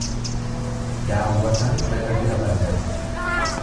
Daawwataan laga bira barata.